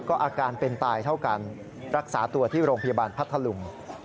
ก็อาการเป็นตายเท่ากันรักษาตัวที่โรงพยาบาลพัทธลุง